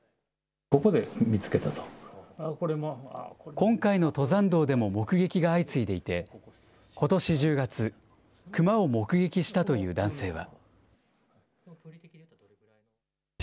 今回の登山道でも目撃が相次いでいて、ことし１０月、クマを目撃したという男性は。